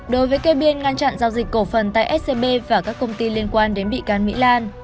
đối với cây biên ngăn chặn giao dịch cổ phần tại scb và các công ty liên quan đến bị can mỹ lan